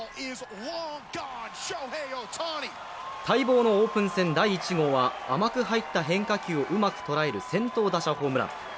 待望のオープン戦第１号は甘く入った変化球をうまく捉える先頭打者ホームラン。